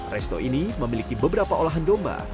resto ini memiliki beberapa olahan domba